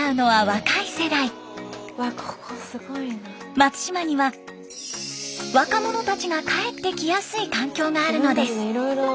松島には若者たちが帰ってきやすい環境があるのです。